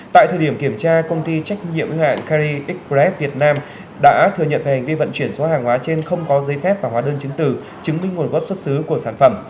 tại thời điểm kiểm tra công ty trách nhiệm hữu hạn kerry exprep việt nam đã thừa nhận về hành vi vận chuyển số hàng hóa trên không có giấy phép và hóa đơn chứng từ chứng minh nguồn gốc xuất xứ của sản phẩm